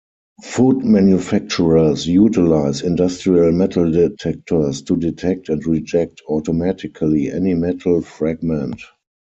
Food manufacturers utilize industrial metal detectors to detect and reject automatically any metal fragment.